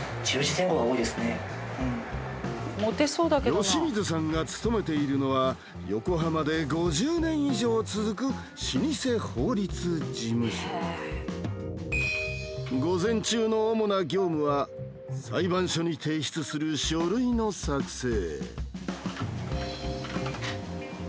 吉水さんが勤めているのは横浜で５０年以上続く老舗法律事務所午前中の主な業務は裁判所に提出する書類の作成